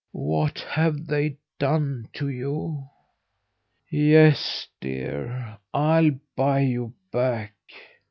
"What have they done to you? Yes, dear, I'll buy you back.